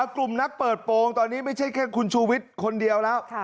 กลุ่มนักเปิดโปรงตอนนี้ไม่ใช่แค่คุณชูวิทย์คนเดียวแล้ว